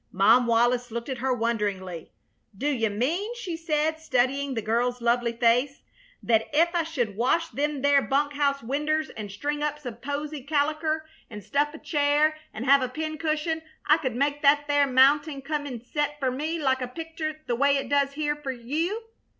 Mom Wallis looked at her wonderingly. "Do you mean," she said, studying the girl's lovely face, "that ef I should wash them there bunk house winders, an' string up some posy caliker, an' stuff a chair, an' have a pin cushion, I could make that there mounting come in an' set fer me like a picter the way it does here fer you?"